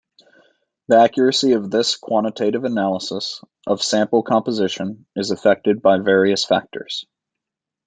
The accuracy of this quantitative analysis of sample composition is affected by various factors.